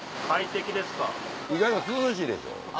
意外と涼しいでしょ。